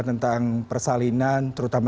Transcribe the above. tentang persalinan terutama